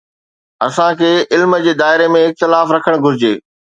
اسان کي علم جي دائري ۾ اختلاف رکڻ گهرجي.